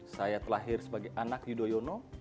saya terlahir sebagai anak yudhoyono